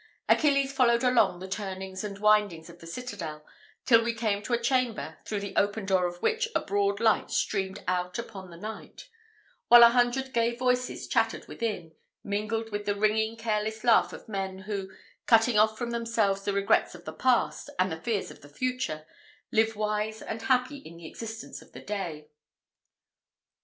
Achilles followed along the turnings and windings of the citadel, till we came to a chamber, through the open door of which a broad light streamed out upon the night, while a hundred gay voices chattered within, mingled with the ringing, careless laugh of men who, cutting off from themselves the regrets of the past, and the fears of the future, live wise and happy in the existence of the day.